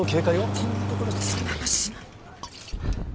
こんな所でそんな話しない！